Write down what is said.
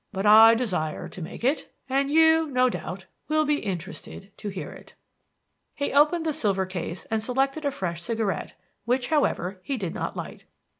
But I desire to make it, and you, no doubt, will be interested to hear it." He opened the silver case and selected a fresh cigarette, which, however, he did not light.